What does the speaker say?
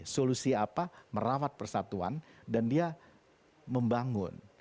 solusi apa merawat persatuan dan dia membangun